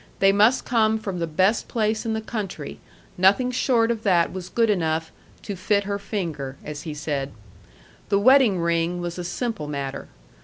They must come from the best place in the country; nothing short of that was good enough "to fit her finger," as he said. The wedding ring was a simple matter.